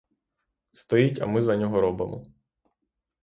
Стоїть, а ми за нього робимо.